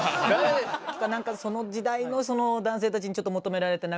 何かその時代のその男性たちにちょっと求められてなかったとか。